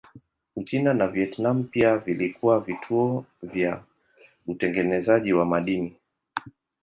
Uchina na Vietnam pia vilikuwa vituo vya utengenezaji wa madini.